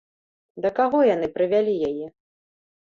Да каго яны прывялі яе?